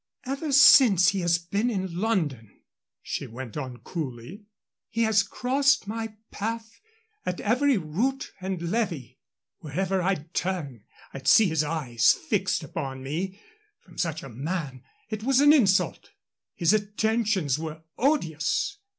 "Ever since he has been in London," she went on, coolly, "he has crossed my path at every rout and levee. Wherever I'd turn I'd see his eyes fixed upon me. From such a man it was an insult. His attentions were odious."